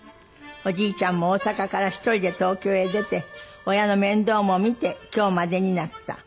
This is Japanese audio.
「おじいちゃんも大阪から一人で東京へ出て親の面倒も見て今日までになった」